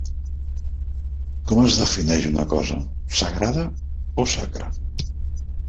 Com es defineix una cosa "sagrada" o "sacra"?